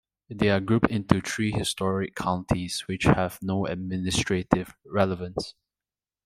They are grouped into three historic counties, which have no administrative relevance.